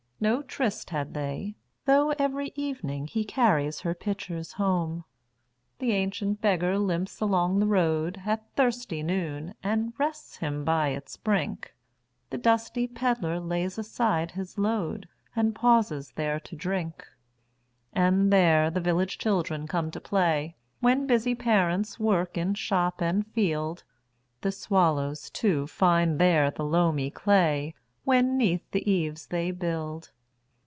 No tryst had they, though every evening heCarries her pitchers home. The ancient beggar limps along the roadAt thirsty noon, and rests him by its brink; The dusty pedlar lays aside his load, And pauses there to drink. And there the village children come to play, When busy parents work in shop and field. The swallows, too, find there the loamy clayWhen 'neath the eaves they build.